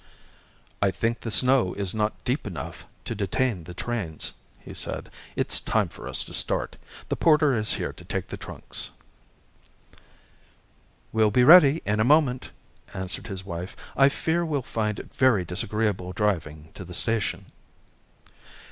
"I think the snow is not deep enough to detain the trains," he said. "It's time for us to start. The porter is here to take the trunks." "We'll be ready in a moment," answered his wife. "I fear we'll find it very disagreeable driving to the station."